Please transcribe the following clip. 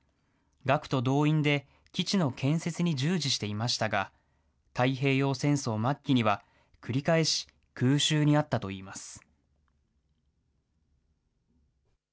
学徒動員で、基地の建設に従事していましたが、太平洋戦争末期には、繰り返し空襲に遭ったといいます。